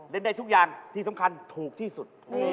เล่นได้ทุกอย่างที่สำคัญถูกที่สุด